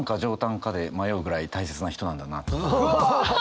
うわ！